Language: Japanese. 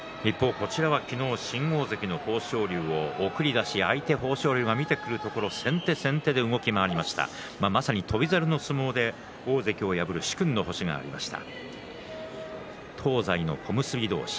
昨日は新大関の豊昇龍を送り出し、相手、豊昇龍が出てくるところを先手先手で動き回りました翔猿の相撲で大関を破る殊勲の星がありました。